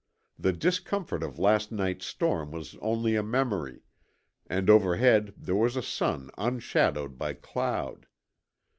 The discomfort of last night's storm was only a memory, and overhead there was a sun unshadowed by cloud.